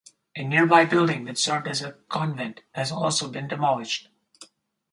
A nearby building that served as a convent has also been demolished.